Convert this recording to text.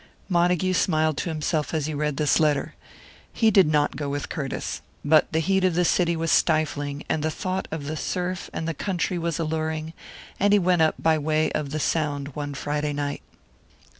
Montague smiled to himself as he read this letter. He did not go with Curtiss. But the heat of the city was stifling, and the thought of the surf and the country was alluring, and he went up by way of the Sound one Friday night.